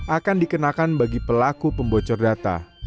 akan dikenakan bagi pelaku pembocor data